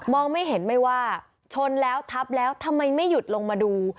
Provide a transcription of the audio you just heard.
ไม่เห็นไม่ว่าชนแล้วทับแล้วทำไมไม่หยุดลงมาดู